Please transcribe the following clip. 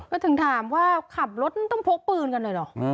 แล้วถึงถามว่าขับรถต้องพกปืนกันเลยเหรอ